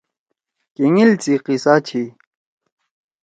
کینگیل سی قصہ چھی: